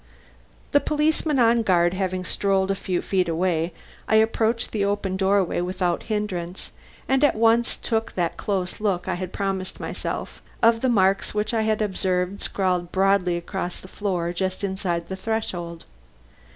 The policeman on guard having strolled a few feet away, I approached the open doorway without hindrance, and at once took that close look I had promised myself, of the marks which I had observed scrawled broadly across the floor just inside the threshold.